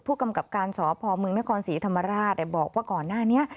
ผู้กำกับการสพมนครศรีธรรมราชบอกว่าก่อนหน้านี้